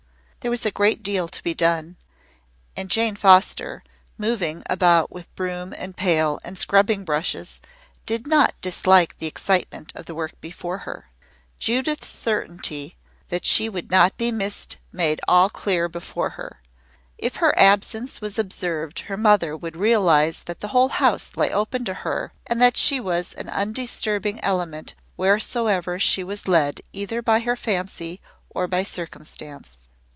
There was a great deal to be done, and Jane Foster, moving about with broom and pail and scrubbing brushes, did not dislike the excitement of the work before her. Judith's certainty that she would not be missed made all clear before her. If her absence was observed her mother would realize that the whole house lay open to her and that she was an undisturbing element wheresoever she was led either by her fancy or by circumstance.